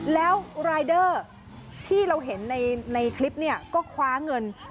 แล้วรายเดอร์ที่เราเห็นในคลิปเนี่ยก็คว้าเงิน